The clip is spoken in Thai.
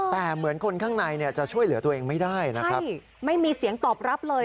แต่เหมือนคนข้างในเนี่ยจะช่วยเหลือตัวเองไม่ได้นะครับไม่มีเสียงตอบรับเลย